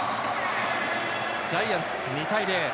ジャイアンツ、２対０。